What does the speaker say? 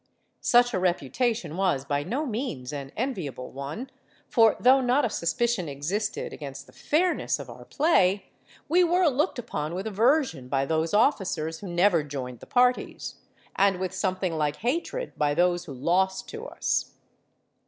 Such a reputation was by no means an enviable one; for though not a suspicion existed against the fairness of our play, we were looked upon with aversion by those officers who never joined the parties, and with something like hatred by those who lost to us.